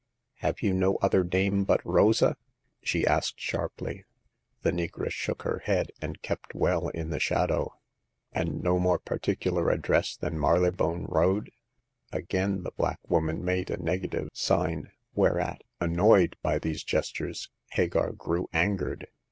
" Have you no other name but Rosa ?" she asked, sharply. The negress shook her head, and kept well in the shadow. " And no more particular address than Mary lebone Road ?" Again the black woman made a negative sign, whereat, annoyed by these gestures, Hagar grew angered.